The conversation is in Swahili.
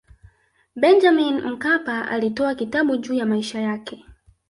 Benjamin Mkapa alitoa kitabu juu ya maisha yake